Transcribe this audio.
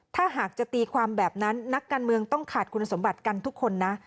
ถ้าหากจะตีความแบบนั้นนักการเมืองต้องขาดคุณสมบัติกันทุกคนนะ